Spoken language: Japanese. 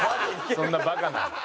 そんなバカな。